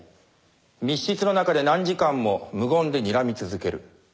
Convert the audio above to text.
密室の中で何時間も無言でにらみ続ける。